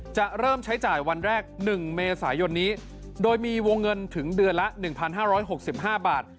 จะเริ่มใช้จ่ายวันแรกหนึ่งเมษายนนี้โดยมีวงเงินถึงเดือนละหนึ่งพันห้าร้อยหกสิบห้าบาท